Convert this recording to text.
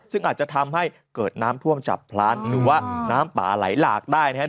ซึ่งอาจจะทำให้เกิดน้ำท่วมจับพลานหรือว่าน้ำป่าไหลหลากได้นะครับ